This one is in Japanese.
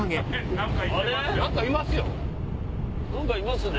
何かいますね。